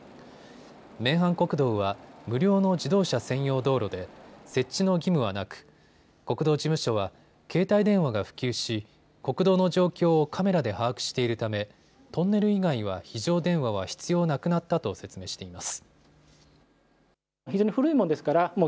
名阪国道は無料の自動車専用道路で設置の義務はなく国道事務所は携帯電話が普及し国道の状況をカメラで把握しているためトンネル以外は非常電話は必要なくなったと説明しています。